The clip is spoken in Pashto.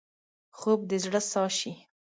خوب د زړه ساه شي